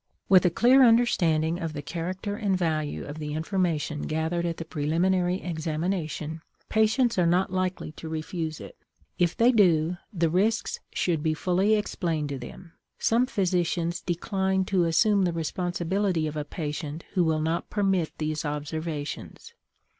With a clear understanding of the character and value of the information gathered at the preliminary examination, patients are not likely to refuse it. If they do, the risks should be fully explained to them. Some physicians decline to assume the responsibility of a patient who will not permit these observations.